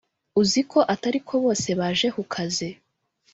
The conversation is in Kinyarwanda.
uziko atariko bose baje ku kazi